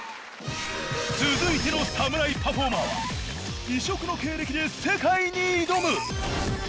続いての侍パフォーマーは異色の経歴で世界に挑む！